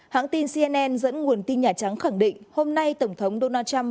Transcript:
hãng tin cnn dẫn nguồn tin nhà trắng khẳng định hôm nay tổng thống donald trump